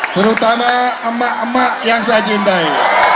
terutama emak emak yang saya cintai